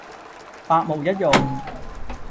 百無一用